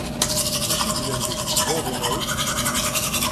D acu yellan deg tebwaḍin-a akk?